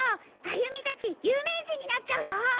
歩美たち有名人になっちゃうよ！